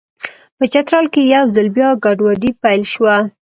په چترال کې یو ځل بیا ګډوډي پیل شوه.